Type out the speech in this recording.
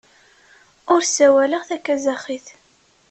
Ur ssawaleɣ takazaxit.